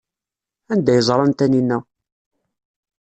Anda ay ẓran Taninna?